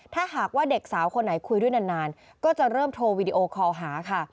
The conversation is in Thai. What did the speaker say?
ถ้าหากว่าเด็กสาวคนไหนคุยด้วยนานก็จะเริ่มโทรวีดีโอคอลหาค่ะ